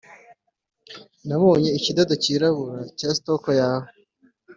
“nabonye ikidodo cyirabura cya stock yawe